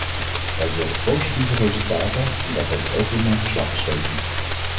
Wij wilden positieve resultaten en dat heb ik ook in mijn verslag geschreven.